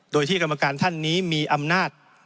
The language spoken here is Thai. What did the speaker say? โดยที่กรรมการท่านนี้มีอำนาจ